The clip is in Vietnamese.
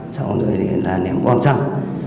sau đó là ném bom xăng